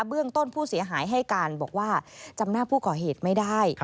เรื่องต้นผู้เสียหายให้การบอกว่าจำหน้าผู้ก่อเหตุไม่ได้